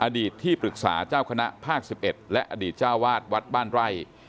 ที่ปรึกษาเจ้าคณะภาค๑๑และอดีตเจ้าวาดวัดบ้านไร่